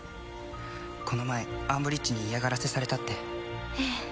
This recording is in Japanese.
この前アンブリッジに嫌がらせされたってええ